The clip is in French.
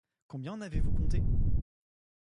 Combien en avez-vous compté ?